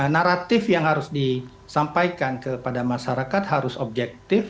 naratif yang harus disampaikan kepada masyarakat harus objektif